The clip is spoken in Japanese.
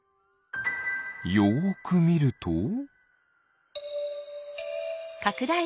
よくみると。